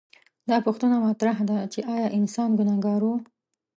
دا پوښتنه مطرح ده چې ایا انسان ګنهګار و؟